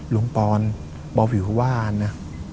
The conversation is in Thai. ลุงปรอนบอวิววาลนะ